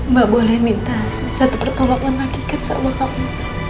mbak boleh minta satu pertolongan lagi kan sama kamu